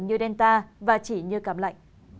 như delta và chỉ như cảm lạnh